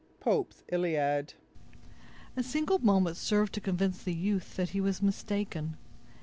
—Pope's Iliad A single moment served to convince the youth that he was mistaken.